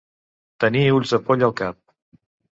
Tenir ulls de poll al cap.